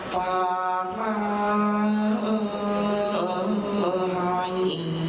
ซื้องี